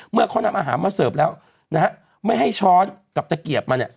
เมื่อเขานำอาหารมาเสิร์ฟแล้วนะฮะไม่ให้ช้อนกับตะเกียบมาเนี่ย